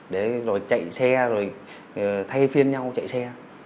đấy rồi chạy xe rồi thay phiên nhau chạy xe